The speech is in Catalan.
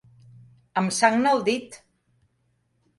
Em sagna el dit!